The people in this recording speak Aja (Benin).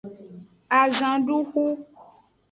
Azanduxu.